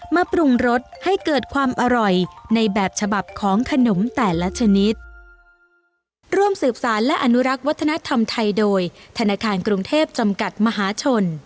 ปรุงรสให้เกิดความอร่อยในแบบฉบับของขนมแต่ละชนิดร่วมสืบสารและอนุรักษ์วัฒนธรรมไทยโดยธนาคารกรุงเทพจำกัดมหาชน